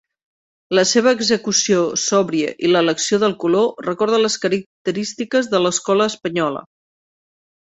La seva execució sòbria i l'elecció del color recorden les característiques de l'escola espanyola.